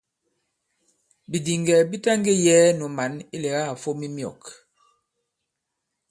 Bìdìŋgɛ̀ bi taŋgē yɛ̄ɛ nu mǎn ilɛ̀gâ à fom i myɔ̂k.